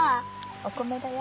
お米だよ！